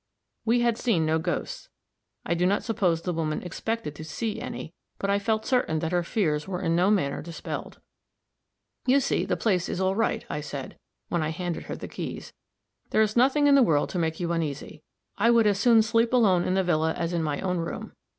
We had seen no ghosts; I do not suppose the woman expected to see any, but I felt certain that her fears were in no manner dispelled. "You see the place is all right," I said, when I handed her the keys. "There is nothing in the world to make you uneasy. I would as soon sleep alone in the villa as in my own room.